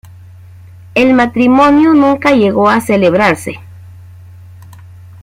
El matrimonio nunca llegó a celebrarse.